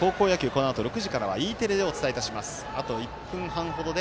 このあと６時からはＥテレでお伝えいたします。